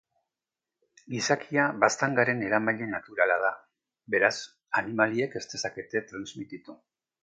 Gizakia baztangaren eramaile naturala da; beraz, animaliek ez dezakete transmititu.